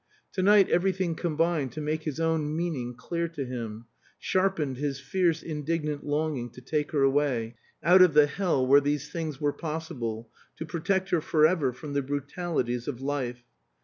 To night everything combined to make his own meaning clear to him, sharpened his fierce indignant longing to take her away, out of the hell where these things were possible, to protect her forever from the brutalities of life.